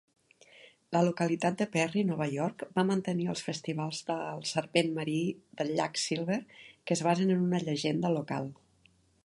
La localitat de Perry, Nova York, va mantenir els Festivals del Serpent Marí del llac Silver, que es basen en una llegenda local.